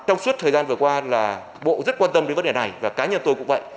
trong suốt thời gian vừa qua là bộ rất quan tâm đến vấn đề này và cá nhân tôi cũng vậy